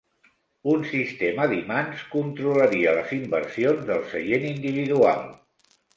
Un sistema d'imants controlaria les inversions del seient individual.